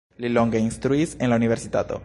Li longe instruis en la universitato.